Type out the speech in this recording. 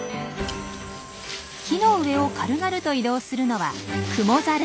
木の上を軽々と移動するのはクモザル。